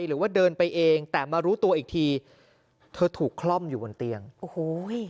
หรือว่าเดินไปเองแต่มารู้ตัวอีกทีเธอถูกคล่อมอยู่บนเตียงโอ้โห